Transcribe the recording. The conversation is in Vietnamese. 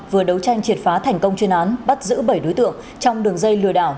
vừa đấu tranh triệt phá thành công chuyên án bắt giữ bảy đối tượng trong đường dây lừa đảo